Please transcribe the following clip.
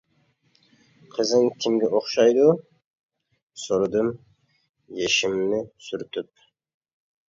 -قىزىڭ كىمگە ئوخشايدۇ؟ -سورىدىم يېشىمنى سۈرتۈپ.